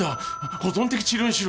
保存的治療にしろ。